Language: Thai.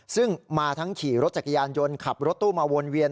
ซึ่งมาทั้งขี่รถจักรยานยนต์ขับรถตู้มาวนเวียน